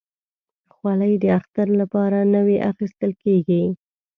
خولۍ د اختر لپاره نوي اخیستل کېږي.